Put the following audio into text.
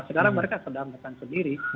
sekarang mereka sedang bekan sendiri